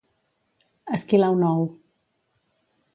Esquilar un ou.